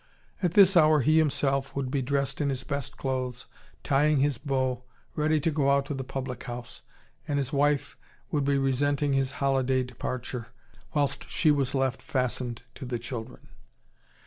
At this hour he himself would be dressed in his best clothes, tying his bow, ready to go out to the public house. And his wife would be resenting his holiday departure, whilst she was left fastened to the children.